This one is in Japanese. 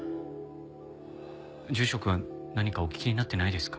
住職は何かお聞きになってないですか？